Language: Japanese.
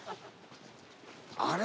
あれ？